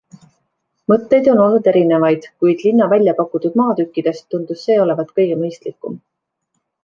Mõtteid on olnud erinevaid, kuid linna väljapakutud maatükkidest tundus see olevat kõige mõistlikum.